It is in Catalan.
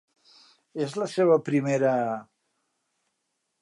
És la seva primera...?